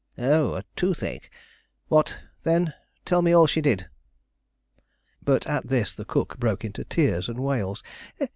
"Oh, a toothache; what, then? Tell me all she did." But at this the cook broke into tears and wails.